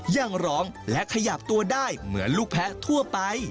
ยังร้องและขยับตัวได้เหมือนลูกแพ้ทั่วไป